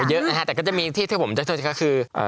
อ๋อเยอะนะฮะแต่ก็จะมีอีกที่ที่ผมเจอกับเจ้าเจ้าค่ะคือ